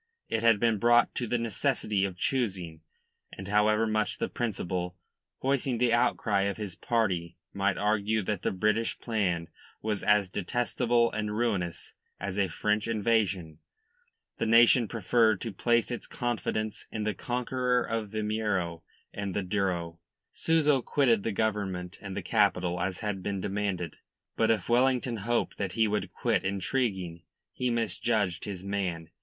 It had been brought to the necessity of choosing, and however much the Principal, voicing the outcry of his party, might argue that the British plan was as detestable and ruinous as a French invasion, the nation preferred to place its confidence in the conqueror of Vimeiro and the Douro. Souza quitted the Government and the capital as had been demanded. But if Wellington hoped that he would quit intriguing, he misjudged his man.